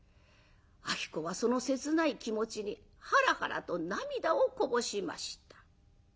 子はその切ない気持ちにはらはらと涙をこぼしました。